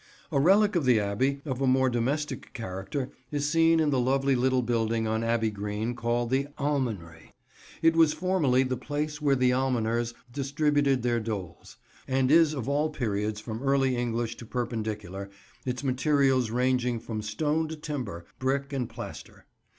A relic of the Abbey of a more domestic character is seen in the lovely little building on Abbey Green called the Almonry. It was formerly the place where the almoners distributed their doles, and is of all periods from Early English to Perpendicular, its materials ranging from stone to timber, brick and plaster.